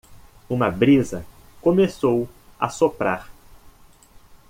Uma brisa começou a soprar.